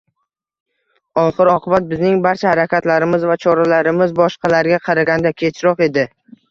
Oxir -oqibat, bizning barcha harakatlarimiz va choralarimiz boshqalarga qaraganda kechroq edi